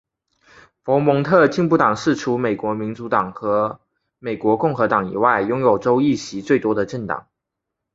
佛蒙特进步党是除美国民主党和美国共和党以外拥有州议席最多的政党。